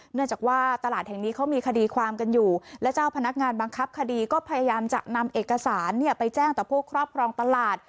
เนื่องจากว่าตลาดแห่งนี้เขามีคดีความกันอยู่และเจ้าพนักงานบังคับคดีก็พยายามจะนำเอกสารเนี่ยไปแจ้งต่อผู้ครอบครองตลาด